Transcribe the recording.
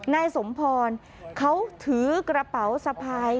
นายสมพรเขาถือกระเป๋าสะพาย